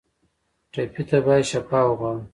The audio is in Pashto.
ټپي ته باید شفا وغواړو.